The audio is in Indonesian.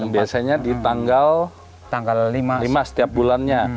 biasanya di tanggal lima setiap bulannya